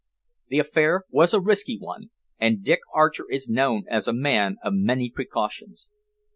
The affair was a risky one, and Dick Archer is known as a man of many precautions."